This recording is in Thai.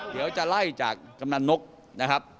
เดี๋ยวจะไล่จากกำนันนกนะครับ